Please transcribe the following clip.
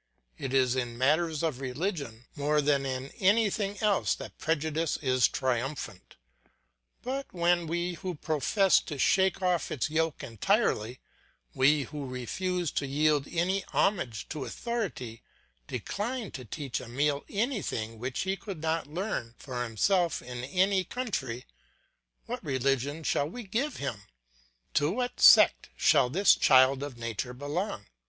It is in matters of religion more than in anything else that prejudice is triumphant. But when we who profess to shake off its yoke entirely, we who refuse to yield any homage to authority, decline to teach Emile anything which he could not learn for himself in any country, what religion shall we give him, to what sect shall this child of nature belong?